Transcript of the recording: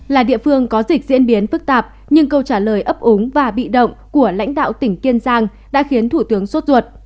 là địa phương có dịch diễn biến phức tạp nhưng câu trả lời ấp ống và bị động của lãnh đạo tỉnh kiên giang đã khiến thủ tướng sốt ruột